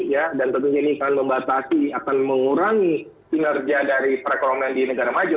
ya dan tentunya ini akan membatasi akan mengurangi kinerja dari perekonomian di negara maju